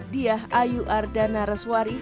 dia ayu ardana reswari